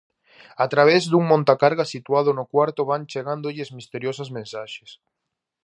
A través dun montacargas situado no cuarto van chegándolles misteriosas mensaxes.